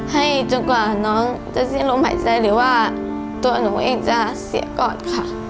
จนกว่าน้องจะสิ้นลมหายใจหรือว่าตัวหนูเองจะเสียก่อนค่ะ